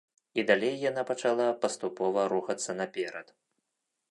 І далей яна пачала паступова рухацца наперад.